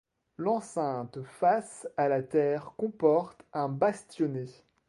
L'enceinte face à la terre comporte un bastionnet.